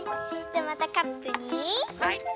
じゃあまたカップによいしょ！